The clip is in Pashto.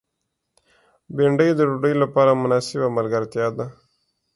بېنډۍ د ډوډۍ لپاره مناسبه ملګرتیا ده